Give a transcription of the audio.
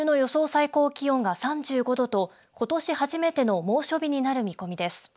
最高気温が３５度とことし初めての猛暑日になる見込みです。